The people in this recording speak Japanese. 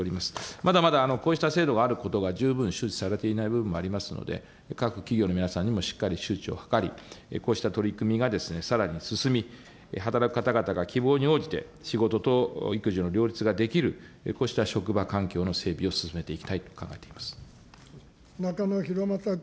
まだまだこうした制度があることが十分周知されていない部分もありますので、各企業の皆さんにもしっかり周知を図り、こうした取り組みがさらに進み、働く方々が希望に応じて仕事と育児の両立ができる、こうした職場環境の整備を進めていきたいと考えています。